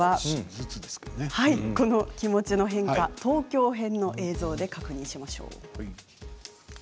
この気持ちの変化、東京編の映像で確認しましょう。